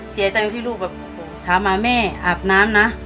เสียจังที่ลูกว่าช้ามาแหมคออับน้ำนะ